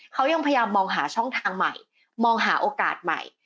เขายังพยายามมองหาช่องทางใหม่มองหาโอกาสใหม่